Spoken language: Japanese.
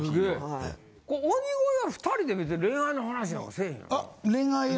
鬼越は２人で別に恋愛の話なんかせえへんやろ？